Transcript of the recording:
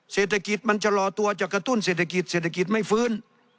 เศรษฐกิจมันจะรอตัวจะกระตุ้นเศรษฐกิจเศรษฐกิจไม่ฟื้น